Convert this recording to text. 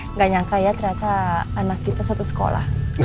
nggak nyangka ya ternyata anak kita satu sekolah